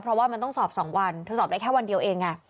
เพราะว่ามันต้องสอบ๒วันเธอสอบได้แค่วันเดียวเอง